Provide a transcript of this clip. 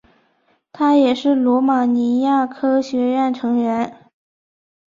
他也是罗马尼亚科学院成员。